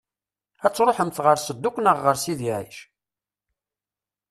Ad tṛuḥemt ɣer Sedduq neɣ ɣer Sidi Ɛic?